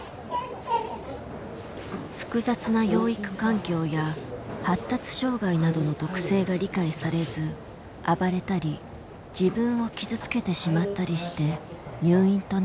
複雑な養育環境や発達障害などの特性が理解されず暴れたり自分を傷つけてしまったりして入院となった子が多い。